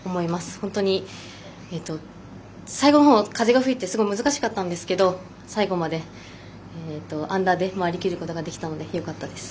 本当に、最後のほう風が吹いてすごい難しかったんですけど最後まで、アンダーで回りきることができたのでよかったです。